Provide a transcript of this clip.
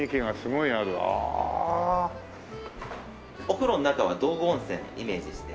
お風呂の中は道後温泉をイメージして。